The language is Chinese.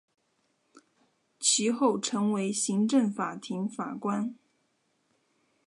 其后成为行政法庭法官。